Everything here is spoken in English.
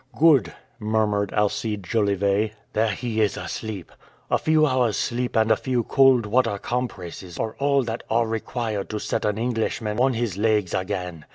Good," murmured Alcide Jolivet; "there he is asleep. A few hours' sleep and a few cold water compresses are all that are required to set an Englishman on his legs again.